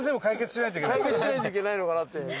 解決しないといけないのかなって。